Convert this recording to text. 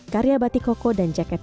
karya batikoko dan jacket